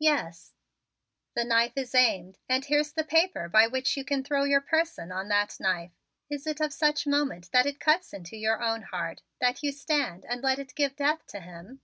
"Yes!" "The knife is aimed and here's the paper by which you can throw your person on that knife. Is it of such moment that it cut into your own heart, that you stand and let it give death to him?"